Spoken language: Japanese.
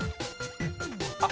あっ！